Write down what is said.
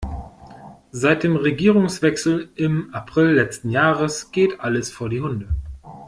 Seit dem Regierungswechsel im April letzten Jahres geht alles vor die Hunde.